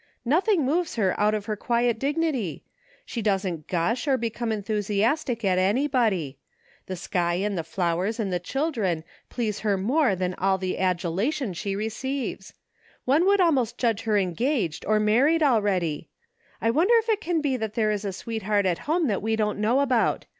" Nothing moves her out of her quiet dignity. She doesn't gush or be come enthusiastic at anybody. The sky and the flowers 166 THE FINDING OP JASPER HOLT and the children please her more than all the adulation she receives. One would almost judge her engaged or married already. I wonder if it can be there is a sweet heart at home that we don't know about.